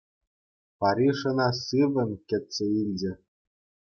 Париж ӑна сиввӗн кӗтсе илчӗ.